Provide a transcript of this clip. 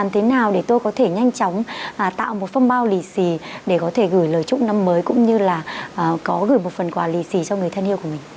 thế nào để tôi có thể nhanh chóng tạo một phong bao lì xì để có thể gửi lời chúc năm mới cũng như là có gửi một phần quà lì xì cho người thân yêu của mình